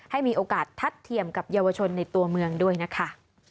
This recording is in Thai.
ให้มีโอกาสทัดเทียมกับเยาวชนในตัวเมืองด้วยนะคะ